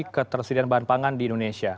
ketersediaan bahan pangan di indonesia